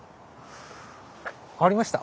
ありました！